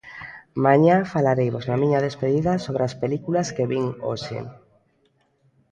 Mañá falareivos na miña despedida sobre as películas que vin hoxe.